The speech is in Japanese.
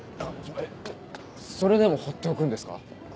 えそれでも放っておくんですか？